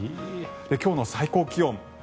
今日の最高気温